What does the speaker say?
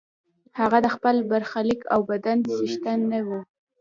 هغه د خپل برخلیک او بدن څښتن نه وي.